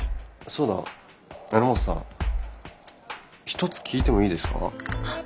そうだ榎本さん一つ聞いてもいいですか？